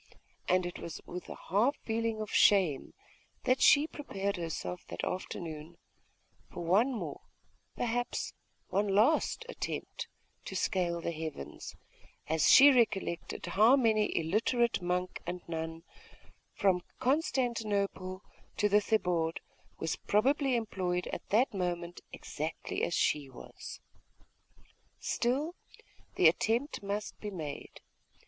And it was with a half feeling of shame that she prepared herself that afternoon for one more, perhaps one last attempt, to scale the heavens, as she recollected how many an illiterate monk and nun, from Constantinople to the Thebaid, was probably employed at that moment exactly as she was. Still, the attempt must be made.